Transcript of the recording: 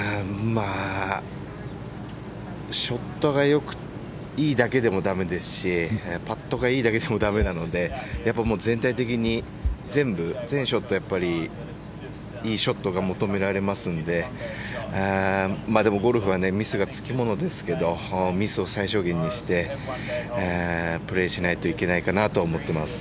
ショットがいいだけでもだめですしパットがいいだけでもだめなのでやっぱりもう全体的に全部、全ショットやっぱりいいショットが求められますんででも、ゴルフはミスがつきものですけどミスを最小限にしてプレーしないといけないかなと思ってます。